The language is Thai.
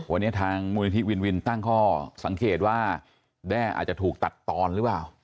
วันนี้ทางมูลนิธิวินวินตั้งข้อสังเกตว่าแด้อาจจะถูกตัดตอนหรือเปล่า